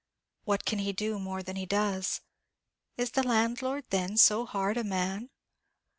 What can he do more than he does? Is the landlord then so hard a man?